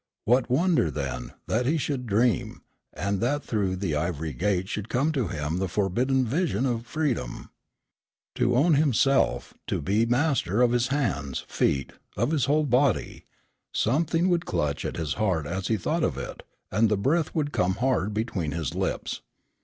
What wonder, then, that he should dream, and that through the ivory gate should come to him the forbidden vision of freedom? To own himself, to be master of his hands, feet, of his whole body something would clutch at his heart as he thought of it; and the breath would come hard between his lips.